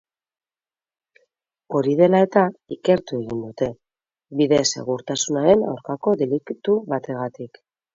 Hori dela eta, ikertu egin dute, bide-segurtasunaren aurkako delitu bategatik.